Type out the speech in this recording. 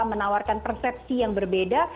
menawarkan persepsi yang berbeda